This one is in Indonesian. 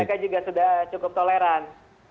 mereka juga sudah cukup toleran